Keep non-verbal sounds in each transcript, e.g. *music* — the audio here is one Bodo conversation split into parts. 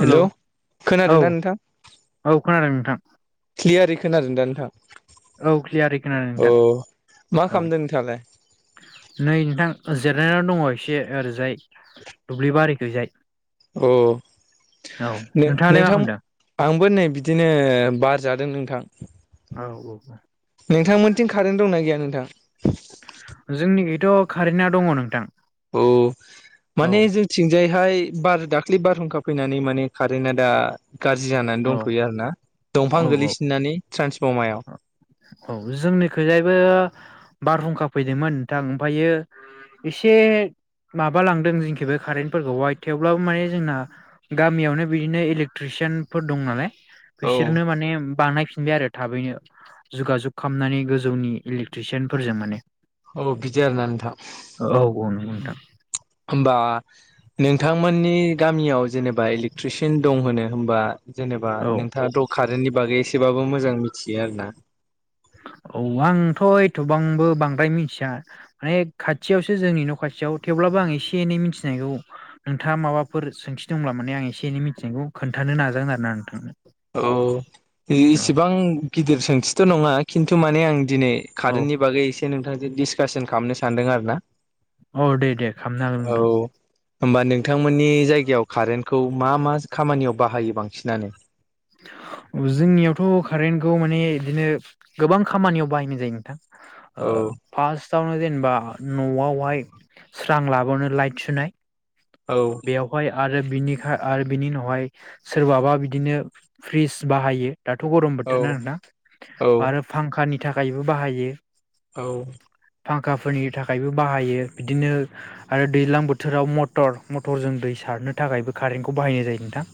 हेलौ औ खोनादो ना नोंथां। औ खोनादों नोंथां। क्लियारै खोनादों दा नोंथां? औ क्लियारै खोनादों अ नोंथां मा औ खालामदों नोंथाङा लाय? नै नोंथां जिरनानै दङ एसे ओरैजाय दुब्लिबारिखैजाय। अ नो नोंथाङालाय मा -नोंथां खालामदों आंबो नै बिदिनो बार जादों नोंथां। औ औ नोंथांमोनथिं कारेन्ट दंना गैया नोंथां? जोंनिखैथ' कारेन्टआ दङ नोंथां। अ औ माने जोंथिंजाय बेहाय बार दाखालि बारहुंखा फैनानै माने कारेन्टा दा गाज्रि जानानै औ दंथ'यो आरो ना दंफां औ औ गोल्लैसिननानै ट्रेन्सफर्मायाव। औ जोंनिखैजायबो बारहुंखा फैदोंमोन नोंथां ओमफायो एसे माबा लांदों जोंखैबो कारेन्टफोरखौहाय थेवब्लाबो माने जोंना गामियावनो बिदिनो इलेक्ट्रिसिटी सयान फोर दं नालाय औ बिसोरनो माने बानायफिनबाय आरो थाबैनो। जुगाजुग खामनानै गोजौनि इलेक्ट्रिसियानफोरजों माने। औ बिदि आरोना नोंथां। औ औ नंगौ नोंथां होनबा नोंथांमोननि गामियाव जेनेबा इलेकट्रिसियान दं होनो होमबा जेनेबा औ नोंथाङाथ' कारेन्टनि बागै एसेबाबो मोजां मिथियो आरो ना। *inaudible* औ आंथ' एथ'बांबो बांद्राय मिथिया माने खाथियावसो जोंनि न' खाथियाव थेवब्ला बो आं एसे एनै मिथिनायखौ नोंथाङा माबाफोर सोंथि दंब्ला माने आं एसे एनै मिथिनायखौ खोन्थानो ना नाजागोन आरो ना नोंथां। औ इसेबां गिदिर सोंथिथ' नङा खिन्थु माने आं दिनै औ कारेन्टनि बागै एसे नोंथांजों डिसकासन खालामनो सानदों आरो ना। औ दे दे खामनो हागोन औ नोंथां। होमबा नोंथांमोननि जायगायाव कारेन्टखौ मा मा खामानियाव बाहायो बांसिनानो। जोंनियावथ' कारेन्टखौ माने इदिनो गोबां खामानियाव बाहायनाय जायो नोंथां। ओ औ फास्त तआवनो जेनेबा न'आवहाय स्रां लाबानो लाइट सुनाय औ बेयावहाय आरो बिनिखाय आरो बिनि उनावहाय सोरबाबा बिदिनो फ्रिज बाहायो दाथ' गरम औ बोथोर ना नोंथां औ आरो फांखानि नि थाखायबो बाहायो। औ फांखाफोरनि थाखायबो बाहायो बिदिनो आरो दैज्लां बोथोराव मटर मटरजों दै स सारनो थाखायबो कारेन्टखौ बाहायनाय जायो नोंथां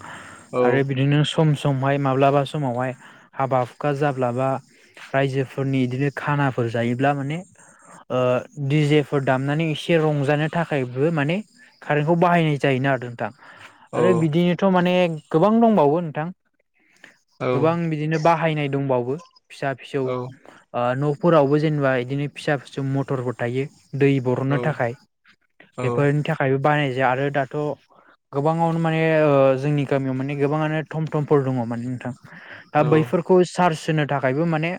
औ आरो बिदिनो सम समहाय माब्लाबा समावहाय हाबा हुखा जाब्लाबा रायजोफोरनि इदिनो खानाफोर जायोब्ला माने ओ दिजेफोर दामनानै एसे रंजानो थाखायबो माने कारेन्टखौ बाहायनाय जायो। नोंथां औ आरो बिदिनोथ' माने गोबां दंबावो नोंथां। औ गोबां बिदिनो बाहायनाय दंबावो फिसा फिसौओ न' फोरावबो जेनेबा बिदिनो फिसा फिसौ मथरफोर थायो दै औ बर'ननो थाखाय बेफोरनि थाखायबो बानाय जायो आरो दाथ' गोबाङावनो माने जोंनि गामियाव माने गोबाङानो थम फयटमफोर दङ माने नोंथां दा औ बैफोरखौ चार्स होनो थाखायबो माने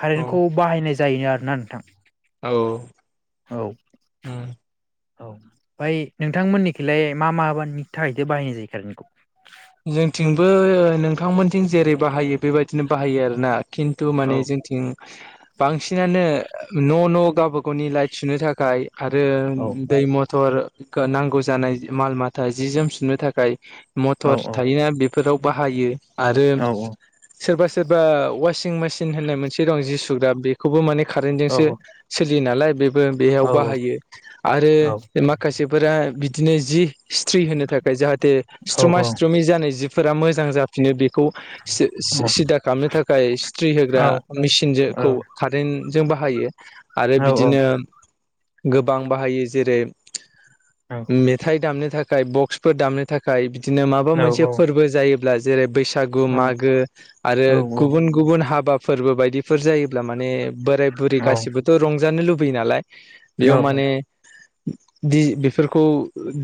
कारेन्टखौ बाहायनाय जायोनो आरोना नोंथां? औ औ ओमफ्राय नोंथांमोननिखौलाय मा मा मानि थाखायथो बाहायनाय जायो खारेन्टखौ जोंथिंबो नोंथांमोनथिं जेरै बाहायो बेबायदिनो बाहायो आरोना खिन्थु औ माने जोंथिं बांसिनानो न' न' गावबा गावनि लाइट सुनो थाखाय आरो औ दै मथ मटर नांगौ जानाय माल माथा जि जोम सननो थाखाय औ मटर औ बेफोराव बाहायो आरो औ सोरबा सोरबा वासिं मेसिन होननाय मोनसे दं जिु सुग्रा बेखौबो माने औ कारेेनन्टजोंसो सोलियो नालाय बे बेयाव औ औ बाहायो आरो माखासेफोरा बिदिनो जि स्थ्रि होनो थाखाय जाहाथे स्थ्रमा स्थ्रमि जानाय जिफोरा मोजां जाफिनो बे खौ सिदा खालामनो थाखाय स्थ्रि होग्रा मेसिनखौ कारेन्ट जों बाहायो आरो बिदिनो गोबां बाहायो जेरै मेथाइ दामनो थाखाय बक्सफोर दामनो थाखाय बिदिनो माबा मोनसे औ फोरबो जायो जेरै बैसागु मागो आरो गुबुन गुबुन हाबा फोरबो बायदिफोर जायोब्ला माने बोराय बुरै गासिबोथ' रंजानो लुबैयो नालाय बेयाव माने बेफोरखौ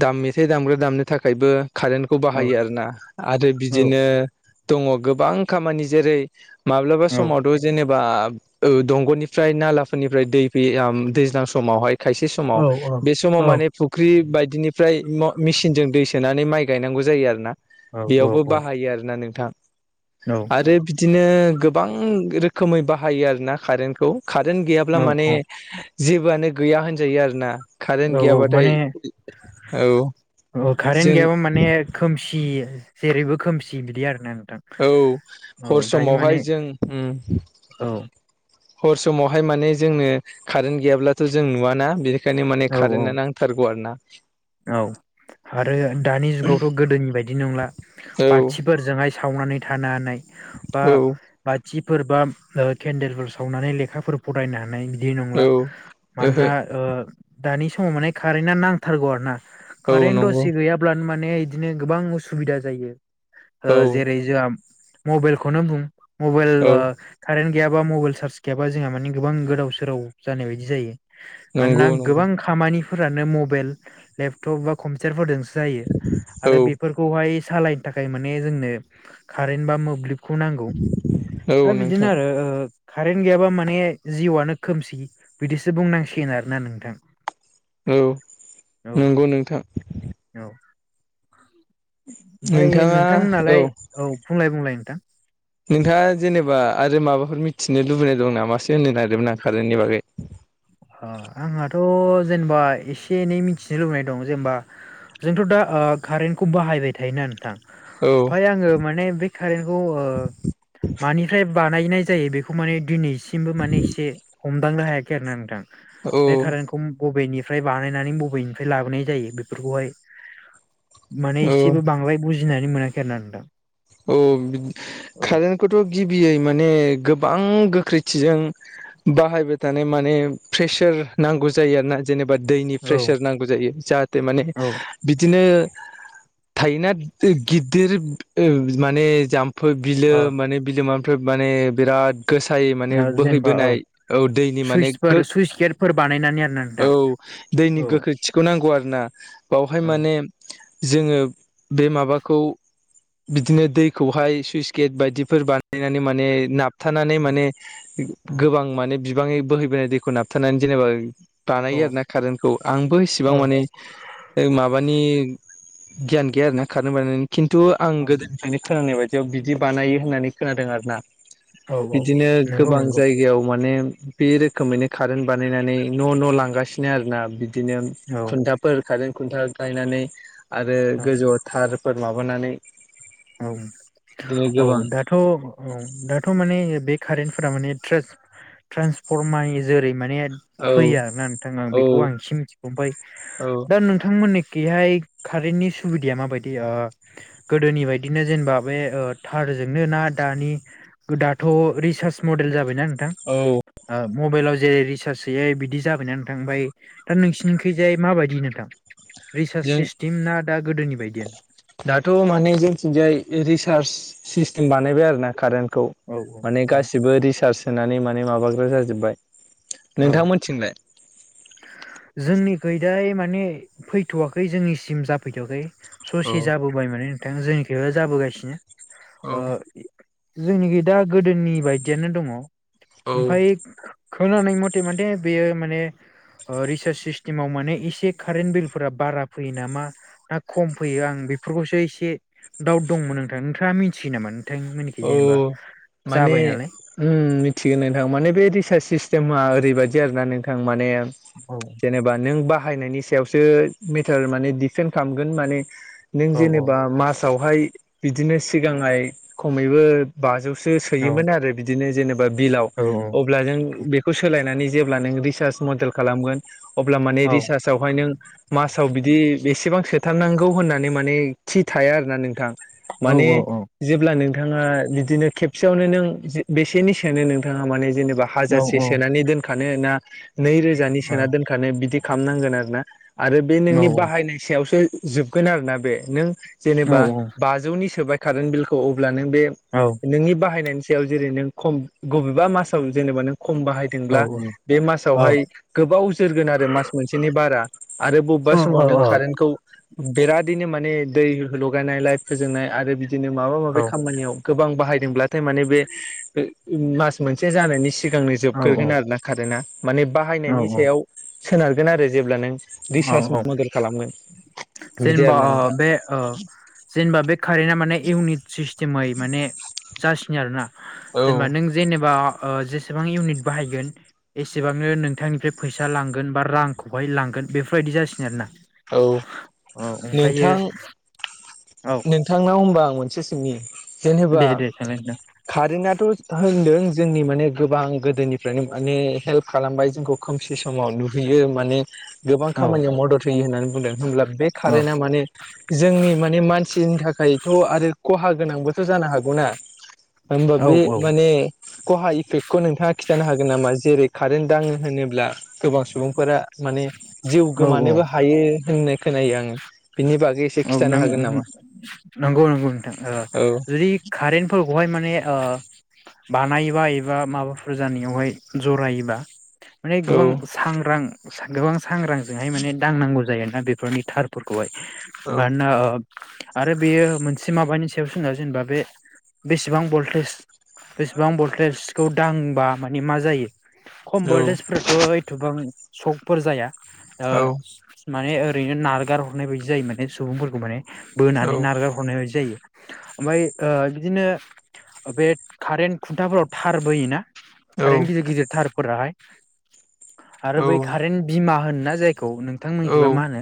दाम मेथाइ दामग्रा दामनो थाखायबो कारेन्टखौ बाहायो आरोना आरो बिदिनो दङ गोबां खामानि जेरै माब्लाबा समावथ' जेनेबा बा दंग'निफ्राय नालाफोरनिफ्राय दै फैयो दैज्लां समावहाय खायसे समाव बे समाव माने फुख्रि बायदिनिफ्राय मेसिनजों दै सोनानै माइ गायनांगौ जायो आरो ना बेयावबो बाहायो आरो ना नोंथां आरो बिदिनो गोबां रोखोमै बाहायो आरोना कारेन्टखौ कारेन्ट औ गैयाब्ला माने जेबोआनो गैया होनजायो आरो ना कारेन्ट औ माने गैयाबाथाय औ कारेन्ट जों गैयाबा माने खोमसि जेरैबो खोमसि बिदि आरोना नों औ हर समावहाय जों उम औ हर समावहाय माने जोंनो कारेन्ट गैयाब्लाथ जों नुवाना बेनि बेखायनो माने औ कारेन्टआ नांथारगौ आरोना औ आरो दानि जुगावथ गोदोनि बायदि नंला औ बाथिफोरजोंहाय सावनानै थानो हानाय बा औ बाथिफोर बा केन्देलफोर सावनानै लेखाफोर फरायनो हानाय बिदि नंला ओहो मानोना ओ दानि समाव माने कारेन्टा नांथारगौ आरो ना औ कारेन्ट नंगौ दसे गैयाब्लानो माने माने इदिनो गोबां उसुबिदा जायो ओ औ जेरै जोहा मबेइलखौनो बुं मबेइल औ ओ कारेनथ गैयाबा मबाइल चार्ज गैयाबा जोंहा मानि गोबां गोदाव सोराव जानाय बायदि जायो नंगौ मानोना नंगौ गोबां खामानिफोरानो मबाइल लेपटप बा कम्पिउटारफोरजोंस जायो औ आरो बेफोरखौहाय सालायनो थाखाय माने जोंनो कारेन्ट बा मोब्लिब खौ नांगौ दा औ बिदिनो नोंथां आरो ओ कारेन्ट गैयाबा माने जिउआनो खोमसि बिदिसो बुंनांसिगोन आरोना नोंथां औ नोंगौ नोंथां ओमफाय नोंथाङा नोंथांमोनहालाय औ बुंलाय-बुंलाय नोंथां नोंथाङा जेनेबा आरो माबाफोर मिथिनो लुबैनाय दं नामासो होननो नागिरदोंमोन आं खारेननि बागै ह आंहाथ जेनेबा एसे एनै मिथिनो लुबैनाय दं जेनेबा जोंथ दा ओ कारेन्टखौ बाहायबाय थायोना नोंथां औ ओमाय आङो माने बे ओ कारेन्टखौ मानिफ्राय बानायनाय जायो बेखौ माने दिनैसिमबो माने एसे हमदांनो हायाखै आरो ना नोंथां बे कारेन्टखौ बबेनि फ्राय बानायनानै बबेनिफ्राय लाबोनाय जायो बेफोरखौहाय माने औ औ एसेबो बांद्राय गिनानै मोनाखै आरोना नोंथां औ बिद कारेन्टखौथ गिबियै माने गोब गोबां गोख्रैथिजों बाहायबाय थानाय माने प्रेसार नांगौ जायो आरोना जेनब बा दैनि औ प्रेसार नांगौ जायो जाहाथे माने औ बिदिनो थायोना गिदिर ओ माने जाम फोर बिलो औ माने बिलोमानिफ्राय माने बिराद गोसायै माने ओ जेनेबा बोहैबोनाय औ औ दैनि माने गो सुइसफोर सुइस गेटफोर बानायनानै आरोना औ नोंथां दैनि औ गोख्रैथिखौ नांगौ आरोना बावहाय औ माने जोंङो बे माबाखौ बिदिनो दैखौहाय सुइस गेट बायदिफोर बानायनानै माने नाप नाबथानानै माने गोबां माने बिबांनि बोहैबोनाय दैखौ नाबथानानै जेनेबा औ बानायो आरो ना कारेन्टखौ आंबो इसेबां औ माने ओ माबानि गियान गैया आरोना खारेन बानायनायनि खिन्थु आं औ गोदोनिफ्रायनो खोनानाय बायद बेयाव बिदि बानायो होननानै खोनादों आरोना औ औ बिदिनो नंगौ गोबां नंगौ जायगायाव माने बे रोखोमैनो कारेन्ट बानायनानै न न‌ लांगासिनो आरो ना बिदिनो औ खुन्थाफोर खारेन खुन्था गायनानै आरो औ गोजौआव थारफोर माबानानै औ बिदिनो औ गोबां दाथ औ दाथ माने बे कारेन्टफोरा माने ट्रजस ट्रेन्सफरमायै जेरै माने औ फैयो ना नोंथां आं औ बेखौ आं एसे मिथिगौ औ दा नोंथांमोननि बेहाय कारेन्टनि सुबिदाया माबायदि ओ गोदोनि बायद बिदिनो जेनेबा बे ओ थारजोंनो ना दानि दाथ रिसार्च मडेल जाबायना नोंथां औ ओ मबाइलाव जे रिसार्ज सोङो बिदि जाबायना नोंथां ओमफ्राय दा नोंसिनिखैजाय माबायदि नोंथां रिसार्च जों सिस्टेम ना दा गोदोनि बायदि बिथिंजाय रिसार्ज सिस्टेम बानायबाय आरो ना कारेन्टखौ औ माने औ गासिबो रिसार्ज सोनानै माने माबाग्रा जाजोब्बाय नोंथां मोनथिनलाय जोंनि गैदाय माने फैथ'वाखै जोंनिसिम जाफैथ'वाखै औ ससे जाबोबाय माने नोंथां जोंनिखैबो जाबोगासिनो औ ओ जोंनिखि दा गोदोनि बायदियानो दङ औ ओमफाय खोनानाय मथे मथे बेयो माने रिसार्ज सिस्टेमाव माने एसे कारेन्ट बिल फोर बारा फैयो नामा ना खम फैयो आं बेफोरखौसो एसे दाउट दंमोन नोंथां नोंथाङा मिथियो नामा? नोंथांमोननिखि औ जेनेबा माने जाबाय नालाय उम मिथियो नोंथां माने बे रिसार्च सिस *unintelligible* मा ओरैबायाददि आरो ना नोंथां माने औ जेनेबा नों बा बाहायनायनि सायावसो मेटार माने दिडफेन्ड खालामगोन माने नों औ जेनेबा मासावहाय बिदिनो सिगाङाय खमैबो बाजौ सो औ सोयोन आरो बिदिनो जेनेबा बिलाव औ अब्ला जों बेखौ सालायनानै जेब्ला नों रिसार्च मडेल खालामगोन अब्ला माने औ रिसार्चआवहाय नों मासाव बिदि बेसेबां सोथारनांगौ होननानै माने खि थाया आरोना नोंथां औ माने जेब्लानो नोंथाङा बिदिनो खेबसेयावनो नों बेसेनि सोनो नोंथाङा माने जेने बा औ हाजारसे औ औ सोनानै दोनखानो ना नै रोजानि सोना दोनखानो बिदि खालामनांगोन आरो ना आरो बे औ नोंनि बाहायनाय सायावसो जोबगोन आरोना बे नों जेनेबा बाजौनि सोबाय बिलखौ अब्ला नों बे नोंनि बाहायनायनि सा याव जेरै नों खम बबेबा मासाव जेनेबा नों खम बाहायदोंब्ला बे मासावहाय गोबाव जोरगोन आरो मास मोनसेनि बारा आरो ब बा समाव नों कारेन्टखौ बेरादनो माने दै लगायनाय लाइ फोजोंनाय आरो बिदिनो माबा माबि खामानिआव गोबां बाहायदोंब्लाथाय माने बे मास मोनसे जानायनि सि सिगांनो जोबग्रोगोन आरोना कारेन्टआ माने बाहायनायनि औ सायाव सोनारगोन आरो जेब्ला नों औ रिसार्च औ मदद खालामोन जेनेबा बे ओ जेनेबा बे कारेन्टा माने इउनिट सिस्टेम माने जासिनि आरोना औ जेनेबा नों जेनेबा ओ एसेबां इउनिट बाहायगोन एसेबांनो नोंथांनिफ्राय फैसा लांगोन बा रांखौहाय लांगोन बेफोरबायदि जासिगोन आरोना औ औ ओमफ्रायो नोंथां औ नोंथांनाव होनबा आं मोनसे सिनि जेनेबा दे दे थांलाय कारेन्टथ' होनदों जोंनि माने गोबां गोदोनिफ्रायनो माने हेल्प खालामबाय जोंखौ खोमसि समाव नुहैयो माने गोबां नोंथां औ खामानियाव मदद थयो होननानै बुंदों हब्ला बे औ कारेन्टा माने जोंनि माने मानसिनि थाखाय थाखायथ' आरो खहा गोनांबोथ' जानो हागौना होमबा औ बे औ माने खहा इफेक्टखौ नोंथाङा खिन्थानो हागोन नामा जेरै कारेन्ट दाङो होनोब्ला गोबां सुबुंफोरा माने जिउ औ गोमानोबो औ हायो होननाय खोनायो आंङो औ नंगौ नंगौ नोंथां औ जुदि कारेन्ट बेहाय माने बानायोबा एबा माबाफोर जानायावहाय जरायोबा माने गोबां औ सांग्रां गोबां सांग्रांजोंहाय माने दांनांगौ जायो दा बेफोरनि थारफोरखौहाय औ मानोना आरो बेयो मोनसे माबानि सायावसो जेनेबा बे बेसेबां भल्टेज बेसेबां भल्टेजखौ दांबा माने मा जायो खम औ भल्टेजफोराथ' एथबां सकफोर जाया ओ औ माने ओरैनो नारगार हरनाय बायदि जायो माने सुबुंफोरखौ माने बोनानै नारगार हरनाय बायदि जायो ओमफ्राय बिदिनो बे कारेन्ट खुन्थाफोराव थार बोयोना औ कारेन्ट गिदिर -गिदिर थारफोराहाय आरो बै औ कारेन्ट बिमा होनोना जाय खौ औ नोंथांमोननिखिबा मा होनो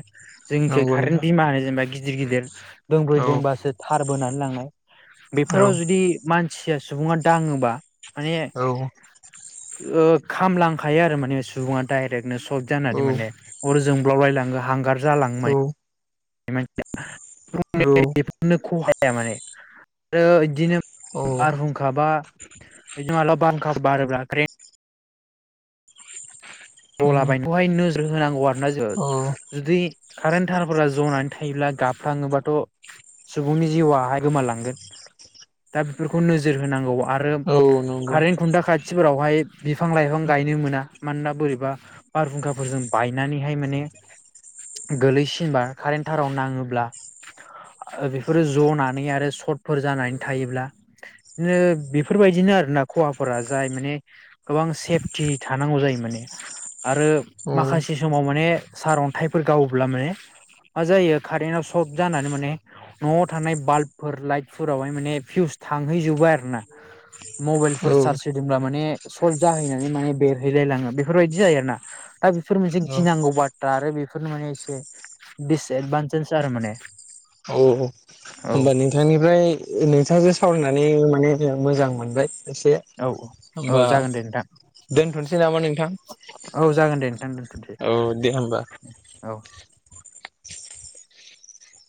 जोंनिखि नंगौ कारेन्ट नोंथां बिमा होनो जेनेबा गिदिर- गिदिर औ दोंब्रैदोंबासो थार बोनानै लांनाय औ बेफोराव जुदि मान सिया सुबुङा दाङोबा माने औ ओ खालामलांखायो आरो माने सुबुङा डायरेक्टनो सट औ जानानै माने जोंब्लावलायलाङो हांगार जालाङो औ मान औ बेफोरनो खहाया माने आरो ओ बिदिनो बारहुंखा बा बिदिनो मालाबा बांरहुंखा बारोब्ला क्रें उम दलाबायनखौहाय नोजोर होनांगौ आरोना जो औ जुदि कारेन्ट थारफोरा जनानै थायोब्ला गाबफ्लाङोबाथ' सुबुंनि जिउआहाय गोमालांगोन। दा बेफोरखौ नोजोर होनांगौ आरो औ नंगौ कारेन खुन्दा खाथिफोरावहाय बिफां -लाइफां गायनो मोना मानोना बोरै बा बारहुंखाफोरजों बायनानैहाय माने गोलैसिनबा कारेन्ट थाराव नाङोब्ला बेफोरो जनानै आरो सटफोर जानानै थायोब्ला बिदिनो बेफोरबायदिनो नो आरो ना खहाफोरा जाय माने गोबां सेफटि थानांगौ जायो माने। आरो औ माखासे समाव माने सारअन्थाइफोर गावोब्ला माने मा जायो कारेन्टआव सट जानानै माने न'आव थानाय बाल्बफोर लाइटफोरावहाय माने फिउस थांहैजोबो आरोना। *unintelligible* मबाइलफोर चार्ज औ होदोंब्ला माने सर्ट जाहैनानै माने बेरहैलायलाङो बेफोरबायदि जायो आरोना। दा बेफोर मोनसे गिनांगौ बा दा आरो बेफोर माने एसे दिसएदभान्टेज आरो माने औ औ होमबा नोंथांनिफ्राय नोंथाङासो सावरायनानै माने जोंहा मोजां मोनबाय। एसे औ होमबा औ जागोन दे नोंथां दोनथ'नोसै नामा नोंथां औ जागोन दे नोंथां दोनथ'सै औ दे होमबा। औ